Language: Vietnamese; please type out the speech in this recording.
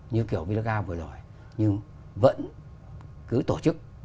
như kiểu vinaca vừa rồi nhưng vẫn cứ tổ chức